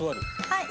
はい。